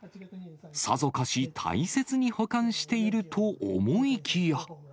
さぞかし大切に保管していると思いきや。